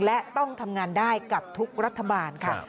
และต้องทำงานได้กับทุกรัฐบาลค่ะ